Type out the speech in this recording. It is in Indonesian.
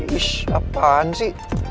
ish apaan sih